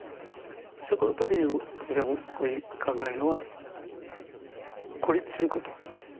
そこの時に私が考えるのは孤立すること。